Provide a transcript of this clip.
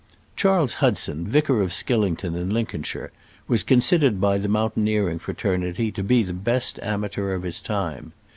Charles Hudson, vicar of Skillington in Lincoln shire, was considered by the mountaineering fraternity to be the best amateur of his time.